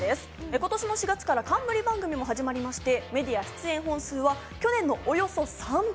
今年の４月から冠番組も始まり、メディア出演本数は去年のおよそ３倍。